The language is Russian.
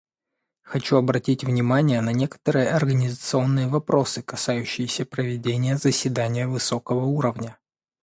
Хочу обратить внимание на некоторые организационные вопросы, касающиеся проведения заседания высокого уровня.